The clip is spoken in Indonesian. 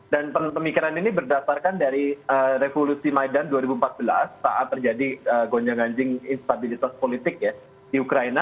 dan pemikiran ini berdasarkan dari revolusi maidan dua ribu empat belas saat terjadi gonjanganjing instabilitas politik ya di ukraina